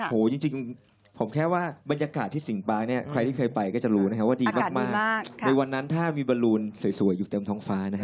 โอ้โหจริงผมแค่ว่าบรรยากาศที่ศิลปาร์กขายที่เคยไปก็จะรู้ว่าดีมากในวันนั้นถ้ามีบรรลูนสวยอยู่เต็มท้องฟ้านะครับ